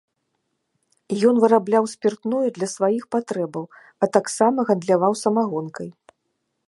Ён вырабляў спіртное для сваіх патрэбаў, а таксама гандляваў самагонкай.